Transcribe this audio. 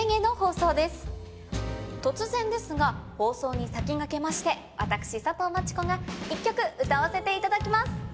突然ですが放送に先駆けまして私佐藤真知子が１曲歌わせていただきます。